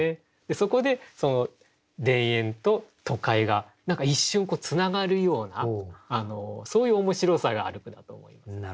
そこで田園と都会が何か一瞬つながるようなそういう面白さがある句だと思いますね。